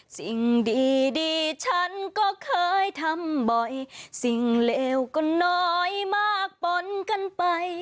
สิ่งดีดีฉันก็เคยทำบ่อยสิ่งเลวก็น้อยมากปนกันไป